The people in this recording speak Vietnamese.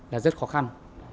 là rất khó khăn